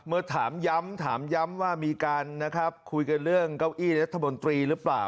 เมื่อถามย้ำถามย้ำว่ามีการนะครับคุยกันเรื่องเก้าอี้รัฐมนตรีหรือเปล่า